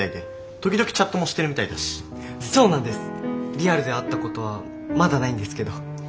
リアルで会ったことはまだないんですけど。